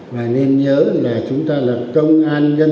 và nên nhớ là chúng ta là công an nhân dân anh hùng